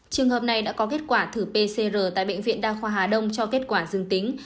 trường hợp này đã có kết quả thử pcr tại bệnh viện đa khoa hà đông cho kết quả dương tính